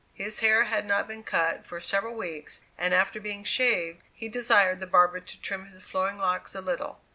His hair had not been cut for several weeks, and after being shaved, he desired the barber to trim his flowing locks a little.